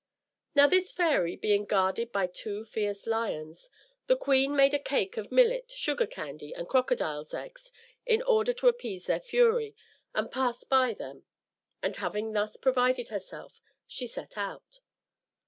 Now, this fairy being guarded by two fierce lions, the queen made a cake of millet, sugar candy, and crocodiles' eggs, in order to appease their fury, and pass by them; and having thus provided herself, she set out.